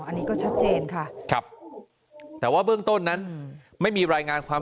อันนี้ก็ชัดเจนค่ะครับแต่ว่าเบื้องต้นนั้นไม่มีรายงานความ